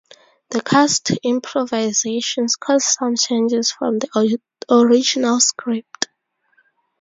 The cast's improvisations caused some changes from the original script.